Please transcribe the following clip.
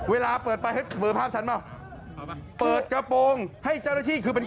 กลัวคนเห็นกางไหน